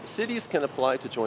có khoảng một mươi người